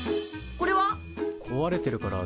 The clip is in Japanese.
これは？